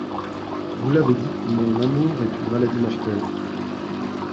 Vous l’avez dit, mon amour est une maladie mortelle.